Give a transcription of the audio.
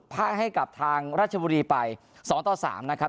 พ่าให้กลับทางราชบุรีไปสองต่อสามนะครับ